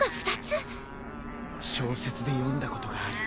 小説で読んだことがある。